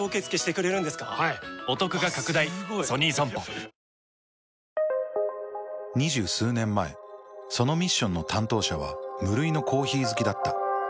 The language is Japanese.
世界が混乱する中２０数年前そのミッションの担当者は無類のコーヒー好きだった。